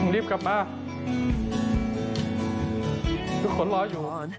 รีบกลับมา